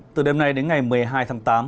từ đêm nay đến ngày một mươi hai tháng tám